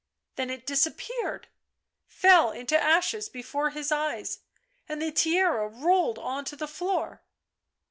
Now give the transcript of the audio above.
Then it disappeared, fell into ashes before his eyes, and the tiara rolled on to the floor.